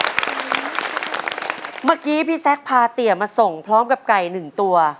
เมื่อกี้พี่แซคพาเตี๋ยมาส่งพร้อมกับไก่หนึ่งตัว